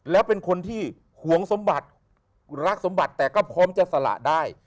แล้วเป็นคนที่หวงสมบัติรักสมบัติแต่ก็พร้อมจะสละได้